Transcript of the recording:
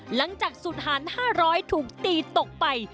หลังจากสุดหาร๕๐๐ถูกตีตกไป